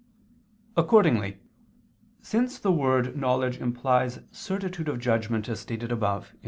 Accordingly, since the word knowledge implies certitude of judgment as stated above (A.